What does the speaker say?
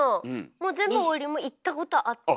もう全部王林も行ったことあって。